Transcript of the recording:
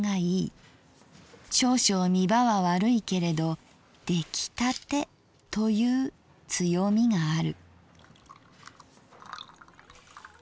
少々見場は悪いけれど出来たてという強みがある」。